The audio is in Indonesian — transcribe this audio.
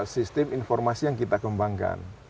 sistem informasi yang kita kembangkan